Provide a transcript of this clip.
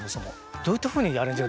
どういったふうにアレンジが。